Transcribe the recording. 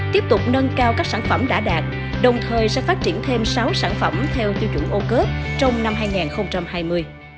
tiếp tục nâng cao các sản phẩm đã đạt đồng thời sẽ phát triển thêm sáu sản phẩm theo tiêu chuẩn ô cớp trong năm hai nghìn hai mươi